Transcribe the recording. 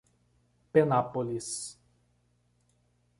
Penápolis